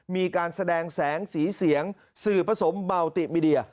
มีการแสดงแสงสีเสียงสื่อผสมเบาติมีเดีย